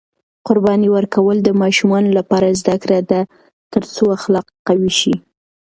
قرباني ورکول د ماشومانو لپاره زده کړه ده ترڅو اخلاق قوي شي.